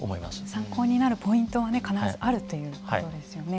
参考になるポイントが必ずあるということですね。